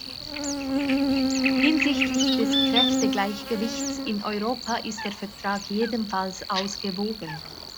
Hinsichtlich des Kräftegleichgewichts in Europa ist der Vertrag jedenfalls ausgewogen.